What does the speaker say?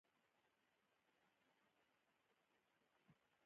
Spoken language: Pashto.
په داسې حال کې چې مېرمنې دوی ته د دغو اپونو له لارې